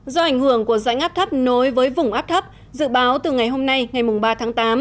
do ảnh hưởng của rãnh áp thấp nối với vùng áp thấp dự báo từ ngày hôm nay ngày ba tháng tám